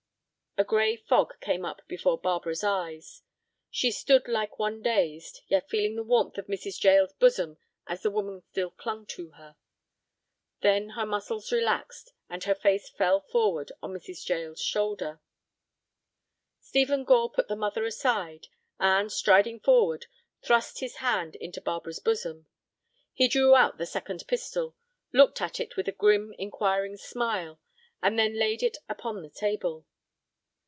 A gray fog came up before Barbara's eyes. She stood like one dazed, yet feeling the warmth of Mrs. Jael's bosom as the woman still clung to her. Then her muscles relaxed and her face fell forward on Mrs. Jael's shoulder. Stephen Gore put the mother aside, and, striding forward, thrust his hand into Barbara's bosom. He drew out the second pistol, looked at it with a grim, inquiring smile, and then laid it upon the table.